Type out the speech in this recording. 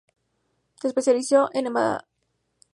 Se especializó en hematología en Míchigan y Boston.